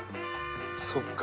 そっか。